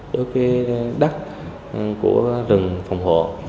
đối với đắc của rừng phòng hộ